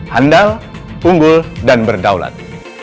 handal unggul dan berdaulat